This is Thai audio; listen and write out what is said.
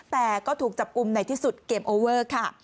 แต่ก็ถูกจับกลุ่มในที่สุดเกมโอเวอร์ค่ะ